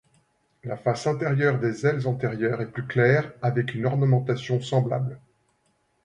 La face intérieure des ailes antérieures est plus claire avec une ornementation semblable.